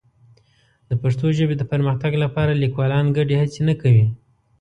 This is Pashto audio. د پښتو ژبې د پرمختګ لپاره لیکوالان ګډې هڅې نه کوي.